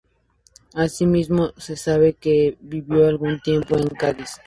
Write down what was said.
Asimismo se sabe que vivió algún tiempo en Cádiz.